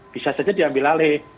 bisa saja diambil alih